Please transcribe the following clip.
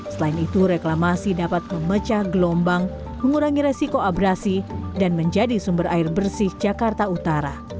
selain itu reklamasi dapat memecah gelombang mengurangi resiko abrasi dan menjadi sumber air bersih jakarta utara